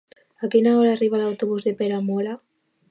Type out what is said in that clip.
A quina hora arriba l'autobús de Peramola?